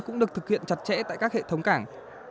cũng được thực hiện chặt chẽ tại các hệ thống cảng